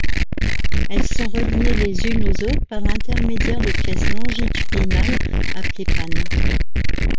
Elles sont reliées les unes aux autres par l’intermédiaire de pièces longitudinales appelées pannes.